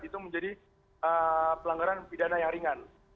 itu menjadi pelanggaran pidana yang ringan